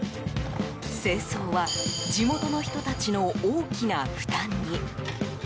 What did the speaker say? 清掃は地元の人たちの大きな負担に。